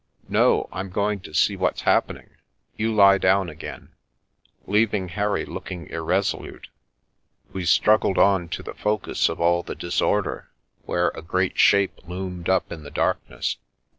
No, I'm going to see what's happening. You lie down again." The Last of the "Chough" Leaving Hairy looking irresolute, we struggled on to the focus of all the disorder, where a great Shape loomed up in the darkness.